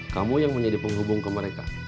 kamu yang menjadi penghubung ke mereka